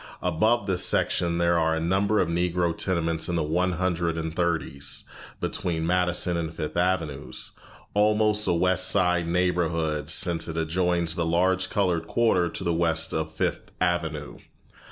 Above this section there are a number of Negro tenements in the One Hundred and Thirties, between Madison and Fifth Avenues almost a West Side neighborhood, since it adjoins the large colored quarter to the west of Fifth Avenue.